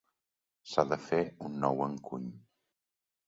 S'ha de fer un nou encuny.